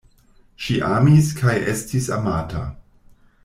Ŝi amis kaj estis amata.